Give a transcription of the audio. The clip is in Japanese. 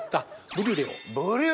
ブリュレ！